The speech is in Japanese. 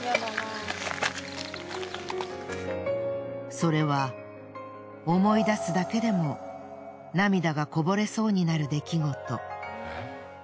それは思い出すだけでも涙がこぼれそうになる出来事。